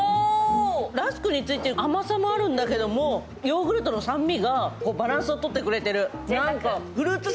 ラスクについてる甘さもあるんだけど、ヨーグルトの酸味がバランスを取ってくれてる。